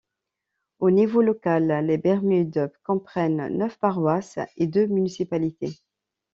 Au niveau local, les Bermudes comprennent neuf paroisses et deux municipalités.